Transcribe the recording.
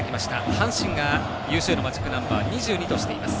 阪神が優勝へのマジックナンバー２２としています。